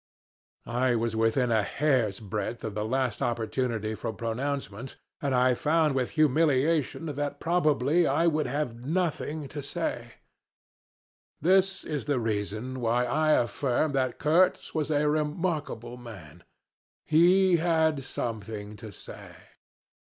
I was within a hair's breadth of the last opportunity for pronouncement, and I found with humiliation that probably I would have nothing to say. This is the reason why I affirm that Kurtz was a remarkable man. He had something to say.